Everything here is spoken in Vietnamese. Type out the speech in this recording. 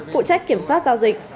phụ trách kiểm soát giao dịch